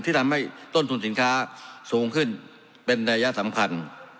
ที่ทำให้ต้นทุนสินค้าสูงขึ้นเป็นนัยสำคัญ